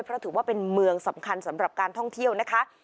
เพราะถือว่าเป็นเมืองสำคัญสำหรับการท่องเที่ยวนะคะ